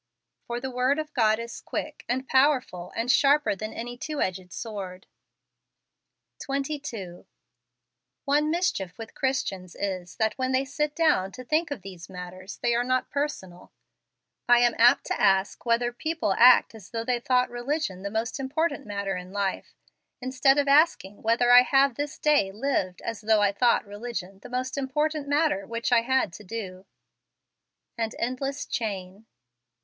" For the word of God is quick, and powerful, and sharper than any two edged sword." 22. One mischief with Christians is, that when they sit down to think of these mat¬ ters, they are not personal. I am apt to ask whether people act as though they thought religion the most important mat¬ ter in life, instead of asking whether I have this day lived as though I thought religion the most important matter with which I had to do. An Endless Chain.